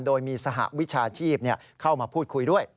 โดยมีสหวิชาชีพเข้ามาพูดคุยด้วย